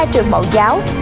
hai trường bảo giáo